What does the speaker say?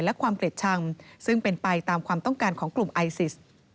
และความเกลียดชังซึ่งเป็นไปตามความต้องการของกลุ่มไอซิส